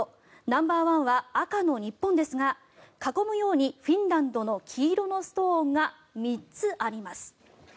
ナンバーワンは赤の日本ですが囲むようにフィンランドの黄色のストーンが３つ、あります。